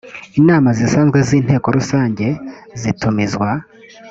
inama zisanzwe z inteko rusange zitumizwa